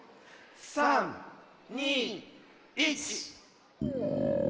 ３２１。